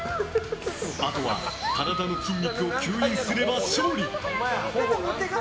あとは体の筋肉を吸引すれば勝利。